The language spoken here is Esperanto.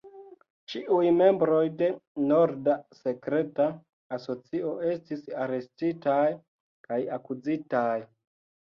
Ĉiuj membroj de "Norda Sekreta Asocio" estis arestitaj kaj akuzitaj.